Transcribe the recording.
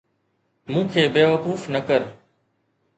مون کي بيوقوف نه ڪر